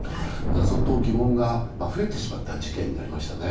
謎と疑問が増えてしまった事件になりましたね。